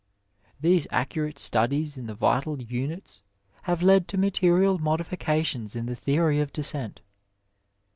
These accurate studies in the vital units have led to material modifications in the theory of descent.